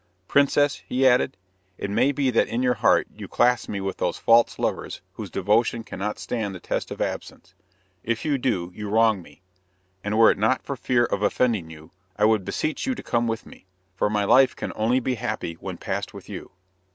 "Princess," he added, "it may be that in your heart you class me with those false lovers whose devotion cannot stand the test of absence. If you do, you wrong me; and were it not for fear of offending you, I would beseech you to come with me, for my life can only be happy when passed with you.